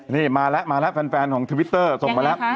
นี่มาแล้วมาแล้วแฟนของทวิตเตอร์ส่งมาแล้ว